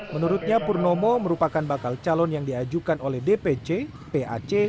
menurutnya purnomo merupakan bakal calon yang diajukan oleh dpc pac